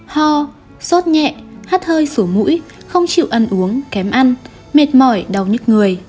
ho sốt nhẹ hát hơi sổ mũi không chịu ăn uống kém ăn mệt mỏi đau nhức người